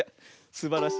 すばらしい。